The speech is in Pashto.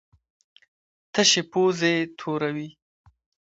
تشې پوزې توروي.